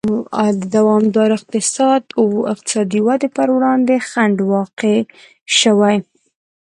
د دوامدارې اقتصادي ودې پر وړاندې خنډ واقع شوی.